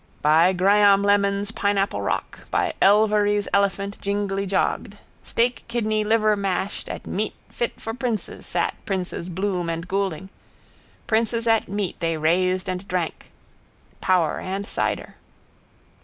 By Graham Lemon's pineapple rock, by Elvery's elephant jingly jogged. Steak, kidney, liver, mashed, at meat fit for princes sat princes Bloom and Goulding. Princes at meat they raised and drank, Power and cider.